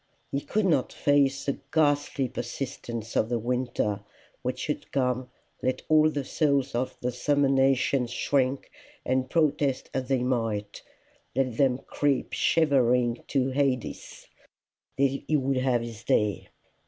He could not face the ghastly persistence of the winter, which would come, let all the souls of the summer nations shrink and protest as they might; let them creep shivering to Hades; he would have his day.